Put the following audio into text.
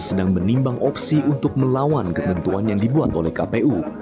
sedang menimbang opsi untuk melawan ketentuan yang dibuat oleh kpu